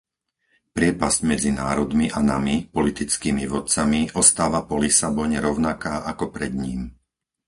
Priepasť medzi národmi a nami, politickými vodcami ostáva po Lisabone rovnaká ako pred ním.